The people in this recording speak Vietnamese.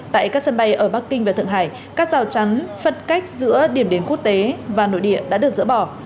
tại các sân bay ở bắc kinh và thượng hải các rào chắn phân cách giữa điểm đến quốc tế và nội địa đã được dỡ bỏ